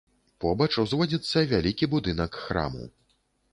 Побач узводзіцца вялікі будынак храму.